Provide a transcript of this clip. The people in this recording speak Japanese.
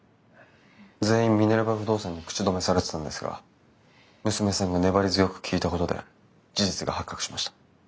全員ミネルヴァ不動産に口止めされてたんですが娘さんが粘り強く聞いたことで事実が発覚しました。